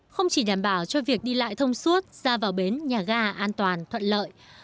không chỉ đảm bảo cho việc đi lại thông suốt ra vào bến nhà ga an toàn thuận lợi